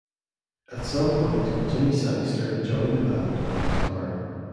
At some point Jimmy Sangster joined the band on guitar.